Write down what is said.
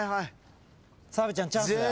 澤部ちゃんチャンスだよ。